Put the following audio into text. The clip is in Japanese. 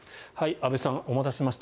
安部さん、お待たせしました。